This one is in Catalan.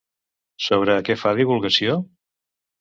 Sobre què fa divulgació?